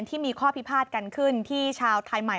และเรียกความคิดจุดสำคัญ